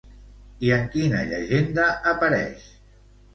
I en quina llegenda apareix?